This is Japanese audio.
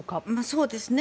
そうですね。